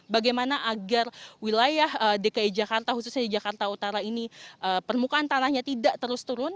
bagaimana agar wilayah dki jakarta khususnya di jakarta utara ini permukaan tanahnya tidak terus turun